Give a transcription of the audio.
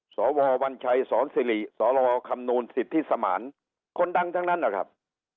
สววัญชัยสอนสิริสรคำนวณสิทธิสมานคนดังทั้งนั้นนะครับ